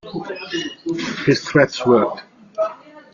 His threats worked.